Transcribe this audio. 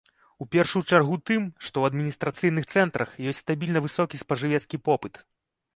У першую чаргу тым, што ў адміністрацыйных цэнтрах ёсць стабільна высокі спажывецкі попыт.